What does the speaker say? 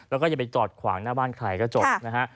แล้วจะไปจอดขวางบ้านใครก็จบ